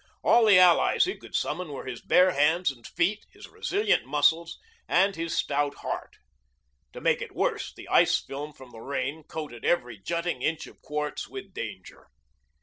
All the allies he could summon were his bare hands and feet, his resilient muscles, and his stout heart. To make it worse, the ice film from the rain coated every jutting inch of quartz with danger.